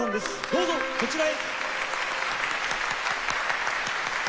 どうぞこちらへ。